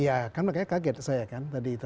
iya kan makanya kaget saya kan tadi itu